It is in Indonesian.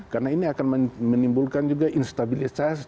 maka kita tahu bahwa mereka juga diperlukan oleh israel